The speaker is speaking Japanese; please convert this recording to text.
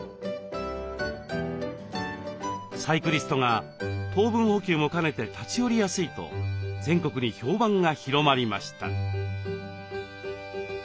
サイクリストが糖分補給も兼ねて立ち寄りやすいと全国に評判が広まりました。